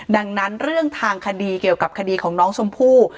ดังนั้นเรื่องทางคดีเกี่ยวกับคดีของน้องชมพู่